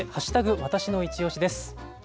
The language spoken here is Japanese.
わたしのいちオシです。